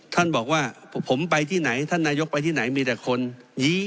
ท่านบอกว่าผมไปที่ไหนท่านนายกไปที่ไหนมีแต่คนยี้